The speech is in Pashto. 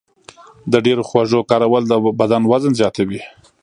د ډېرو خوږو کارول د بدن وزن زیاتوي.